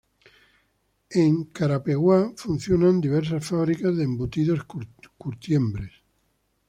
En Carapeguá funciona diversas fábricas de embutidos, curtiembres.